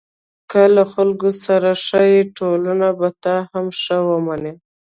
که له خلکو سره ښه یې، ټولنه به تا هم ښه ومني.